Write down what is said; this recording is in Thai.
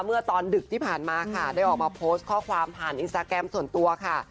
เมื่อตอนดึกที่ผ่านมาค่ะได้ออกมาโพสต์ข้อความผ่านอินสตาแกรมส่วนตัวค่ะ